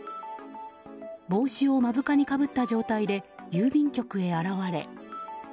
帽子を目深にかぶった状態で郵便局へ現れ。